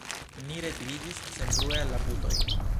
Ni retiriĝis senbrue al la putoj.